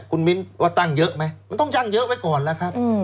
คุณมิ้นว่าตั้งเยอะไหมมันต้องตั้งเยอะไว้ก่อนแล้วครับ